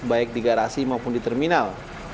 baik di garasi maupun di terminal